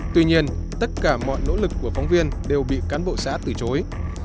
tuy nhiên tất cả mọi nỗ lực của phóng viên đều bị cán bộ xã từ chối